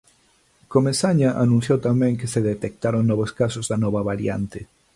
Comesaña anunciou tamén que se detectaron novos casos da nova variante.